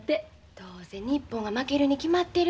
どうせ日本が負けるに決まってる。